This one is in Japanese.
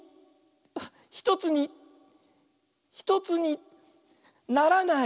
あっ１つに１つにならない！